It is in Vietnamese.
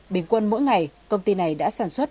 bình quân mỗi ngày công ty này đã sản xuất